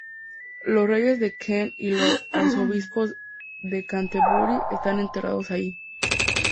Los reyes de Kent y los arzobispos de Canterbury están enterrados allí.